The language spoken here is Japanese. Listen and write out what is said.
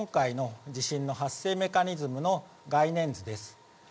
めくっていただいて、今回の地震の発生メカニズムの概念図です。